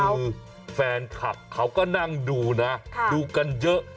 คือแฟนคลับเขาก็นั่งดูนะดูกันเยอะ